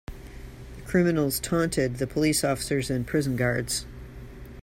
The criminals taunted the police officers and prison guards.